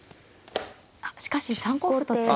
あっしかし３五歩と突きました。